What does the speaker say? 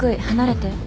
離れて。